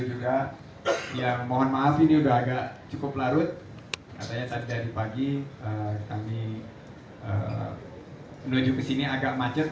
ini juga yang mohon maaf ini udah agak cukup larut dan sejak pagi kami menuju bisnis agan macet